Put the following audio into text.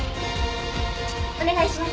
お願いします。